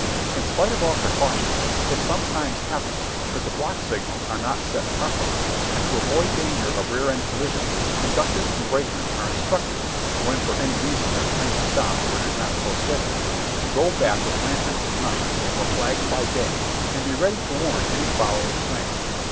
In spite of all precautions, it sometimes happens that the block signals are not set properly, and to avoid danger of rear end collisions, conductors and brakemen are instructed (when, for any reason, their train stops where it is not so scheduled) to go back with lanterns at night, or flags by day, and be ready to warn any following train.